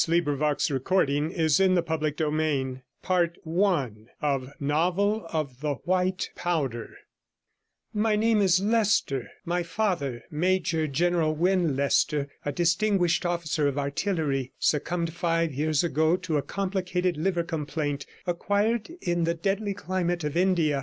With these words the young lady proceeded to relate the NOVEL OF THE WHITE POWDER 105 My name is Leicester; my father, Major General Wyn Leicester, a distinguished officer of artillery, succumbed five years ago to a complicated liver complaint acquired in the deadly climate of India.